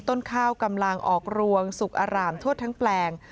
ต้นข้าวกำลังออกรวงสุกอารามทั่วทั้งแปลง